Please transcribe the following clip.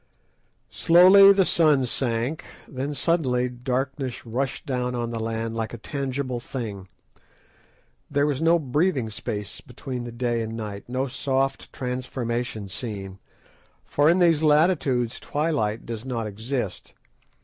Slowly the sun sank, then suddenly darkness rushed down on the land like a tangible thing. There was no breathing space between the day and night, no soft transformation scene, for in these latitudes twilight does not exist.